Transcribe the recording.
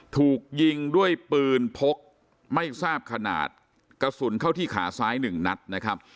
ถูกยิงด้วยปืนพกไม่ทราบขนาดกระสุนเข้าที่ขาซ้ายหนึ่งนัดนะครับ